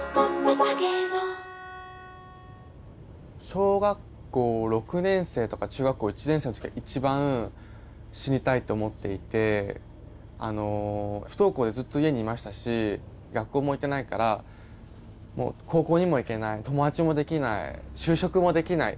小学校６年生とか中学校１年生の時が一番死にたいと思っていてあの不登校でずっと家にいましたし学校も行けないからもう高校にも行けない友達もできない就職もできない。